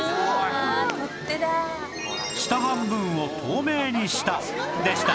取っ手だ」下半分を透明にしたでした